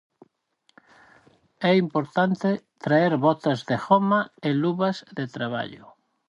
É importante traer botas de goma e luvas de traballo.